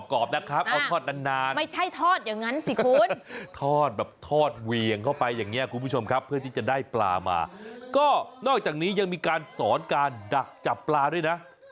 ก็นอกจากนี้ยังมีการสอนการดักจับปลาด้วยนะ